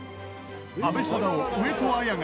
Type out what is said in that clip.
阿部サダヲ上戸彩が